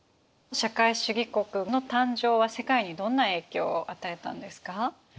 社会主義国の誕生は世界にどんな影響を与えたんですか？